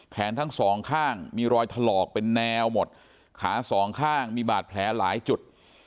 ทั้งสองข้างมีรอยถลอกเป็นแนวหมดขาสองข้างมีบาดแผลหลายจุด